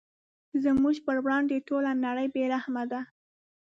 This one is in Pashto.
زموږ په وړاندې ټوله نړۍ بې رحمه ده.